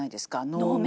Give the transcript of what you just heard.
能面。